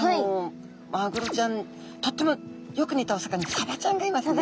マグロちゃんとってもよく似たお魚サバちゃんがいますね。